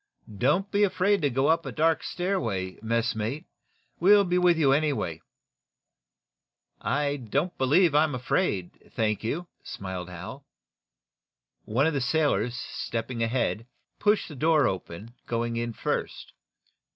"Don't be afraid to go up a dark stairway, messmate. We'll be with you, anyway." "I don't believe I'm afraid, thank you," smiled Hal. One of the sailors, stepping ahead, pushed door open, going in first.